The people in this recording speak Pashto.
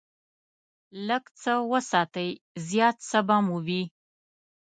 لږ څه وساتئ، زیات څه به مو وي.